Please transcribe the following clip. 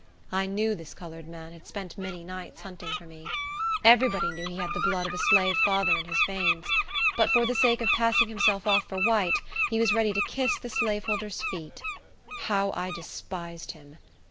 I knew this colored man had spent many nights hunting for me. Every body knew he had the blood of a slave father in his veins; but for the sake of passing himself off for white, he was ready to kiss the slaveholders' feet. How I despised him!